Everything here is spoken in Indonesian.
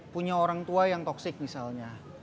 punya orang tua yang toxic misalnya